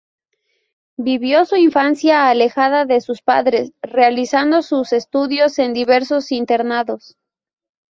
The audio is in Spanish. Vivió su infancia alejada de sus padres realizando sus estudios en diversos internados.